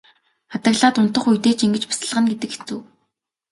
Адаглаад унтах үедээ ч ингэж бясалгана гэдэг хэцүү.